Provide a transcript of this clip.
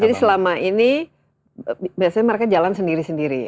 jadi selama ini biasanya mereka jalan sendiri sendiri ya